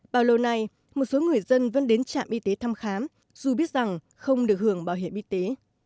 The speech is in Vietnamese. bao lâu nay một số người dân vẫn đến trạm y tế thăm khám dù biết rằng không được hưởng bảo hiểm y tế